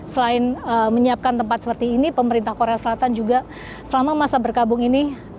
selain menyiapkan tempat seperti ini pemerintah korea selatan juga selama masa berkabung ini